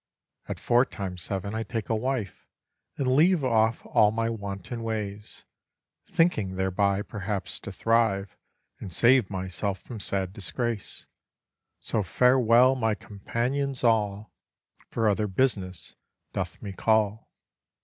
At four times seven I take a wife, And leave off all my wanton ways, Thinking thereby perhaps to thrive, And save myself from sad disgrace. So farewell my companions all, For other business doth me call.